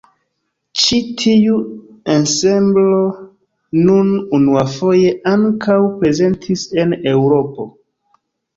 Ĉi tiu ensemblo nun unuafoje ankaŭ prezentis en Eŭropo.